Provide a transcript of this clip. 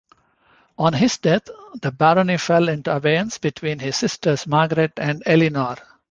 On his death the barony fell into abeyance between his sisters, Margaret and Eleanor.